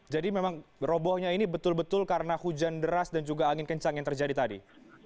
jadi memang robohnya ini betul betul karena hujan deras dan juga angin kencang yang terjadi tadi